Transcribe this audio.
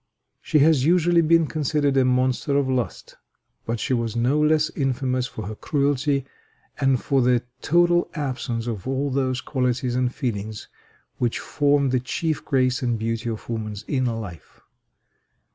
She has usually been considered a monster of lust; but she was no less infamous for her cruelty, and for the total absence of all those qualities and feelings which form the chief grace and beauty of woman's inner life.